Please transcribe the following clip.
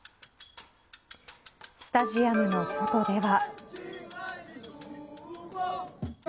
スタジアムの外では。